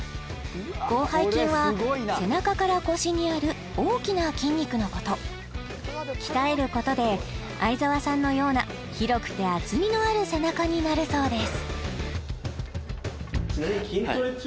広背筋は背中から腰にある大きな筋肉のこと鍛えることで相澤さんのような広くて厚みのある背中になるそうです